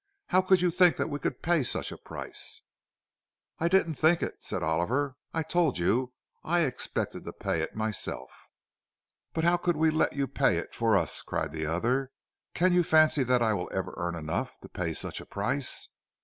How could you think that we could pay such a price?" "I didn't think it," said Oliver; "I told you I expected to pay it myself." "But how could we let you pay it for us?" cried the other. "Can you fancy that I will ever earn enough to pay such a price?"